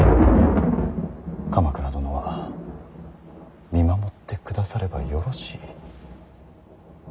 鎌倉殿は見守ってくださればよろしい。